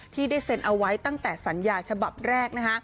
ที่ได้เซ็นเอาไว้ตั้งแต่สัญญาฉบับแรกนะคะ